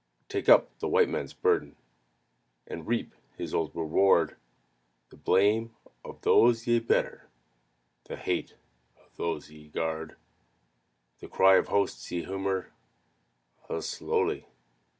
Take up the White Man's burden And reap his old reward; The blame of those ye better, The hate of those ye guard The cry of hosts ye humour (Ah, slowly!)